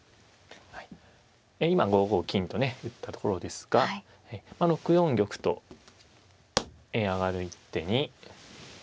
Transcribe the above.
今５五金とね打ったところですが６四玉と上がる一手に。